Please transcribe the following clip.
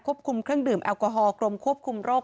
คุมเครื่องดื่มแอลกอฮอลกรมควบคุมโรค